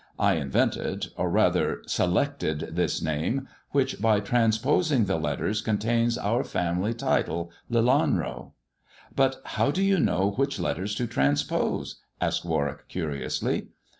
" I invented — or rather selected this name, which, by transposing the letters, contains our family title, Lelanro." " But how do you know which letters to transpose 1 " asked Warwick curiously.